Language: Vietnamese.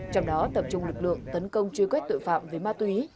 trong đó tập trung lực lượng tấn công truy quét tội phạm về ma túy